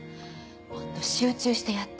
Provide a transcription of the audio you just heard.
もっと集中してやって。